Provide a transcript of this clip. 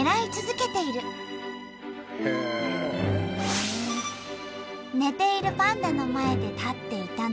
寝ているパンダの前で立っていたのはそのため。